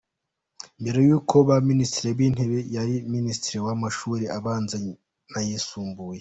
Mbere y’uko aba Minisitiri w’Intebe, yari Minisitiri w’amashuri abanza n’ayisumbuye.